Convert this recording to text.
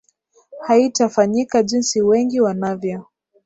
haitafanyika jinsi wengi wanavyo